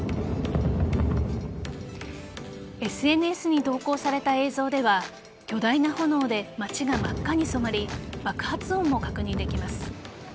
ＳＮＳに投稿された映像では巨大な炎で街が真っ赤に染まり爆発音も確認できます。